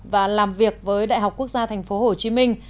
và làm việc với đại học quốc gia tp hcm